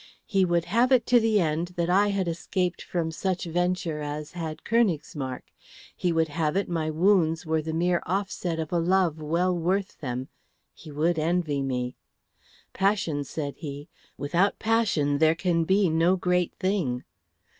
He would have it to the end that I had escaped from such venture as had Königsmarck; he would have it my wounds were the mere offset to a love well worth them; he would envy me. 'Passion,' said he, 'without passion there can be no great thing.'"